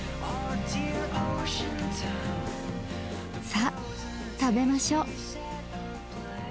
さっ食べましょ。